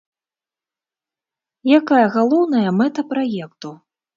Якая галоўная мэта праекту?